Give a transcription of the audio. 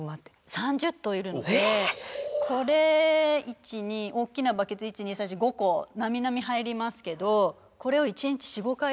３０頭いるのでこれ１２大きなバケツ１２３４５個なみなみ入りますけどこれを一日４５回やってたんですよ。